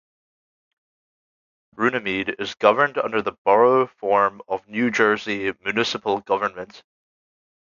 Runnemede is governed under the Borough form of New Jersey municipal government.